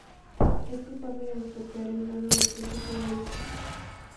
El culpable de estropear el vuelo de Trece fue Wilson.